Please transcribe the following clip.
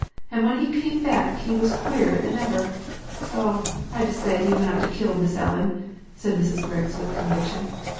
And when he came back he was queerer than ever. Ob, I dessay he went up to kill Miss Ellen," said Mrs. Grix, with conviction.